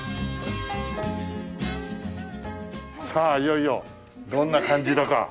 さあいよいよどんな感じだか。